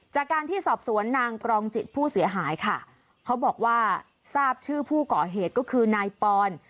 จากการที่สอบสวนนางกรองจิตผู้เสียหายค่ะเขาบอกว่าทราบชื่อผู้ก่อเหตุก็คือนายปอน